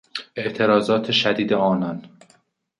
اعتراضات شدید آنان